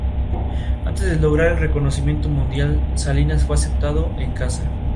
En su "Historia natural de Noruega" habla notablemente del legendario Kraken.